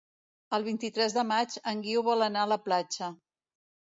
El vint-i-tres de maig en Guiu vol anar a la platja.